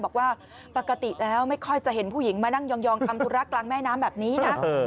บอกว่าปกติแล้วไม่ค่อยจะเห็นผู้หญิงมานั่งยองทำธุระกลางแม่น้ำแบบนี้นะ